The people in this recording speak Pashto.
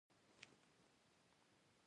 چې تر پايه پورې جوړه په رڼا وي